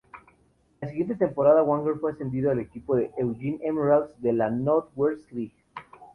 La siguiente temporada, "Wagner" fue ascendido al equipo "Eugene Emeralds" de la Northwest League.